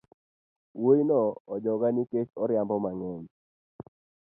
Wuoino ojogaa ni kech oriambo mangeny